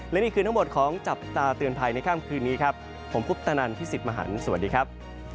และนี่คือทั้งหมดของจับตาเตือนภัยในค่ำคืนนี้ครับผมพุทธนันพี่สิทธิ์มหันฯสวัสดีครับ